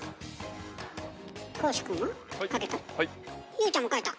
優ちゃんも書いた？